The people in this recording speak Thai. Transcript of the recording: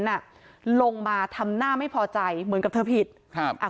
น่ะลงมาทำหน้าไม่พอใจเหมือนกับเธอผิดครับอ่ะ